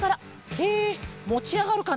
えもちあがるかな？